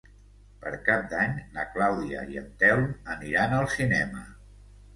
Per Cap d'Any na Clàudia i en Telm aniran al cinema.